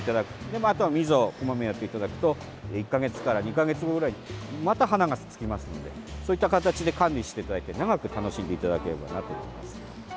で、あとは水をこまめにやっていただくと１か月から２か月後くらいにまた花が咲きますのでそういった形で管理して長く楽しんでいただければなと思います。